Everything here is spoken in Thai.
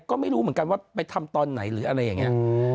ก็ไม่รู้เหมือนกันว่าไปทำตอนไหนหรืออะไรอย่างนี้